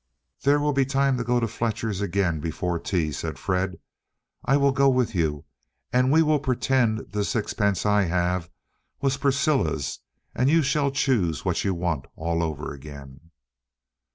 "There will be time to go to Fletcher's again before tea," said Fred. "I will go with you, and we will pretend the sixpence I have was Priscilla's and you shall choose what you want all over again."